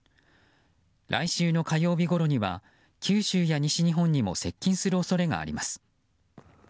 来週の火曜日ごろには九州や西日本にも接近する恐れがあります。